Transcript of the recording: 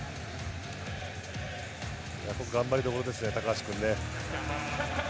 頑張りどころですね、高橋君ね。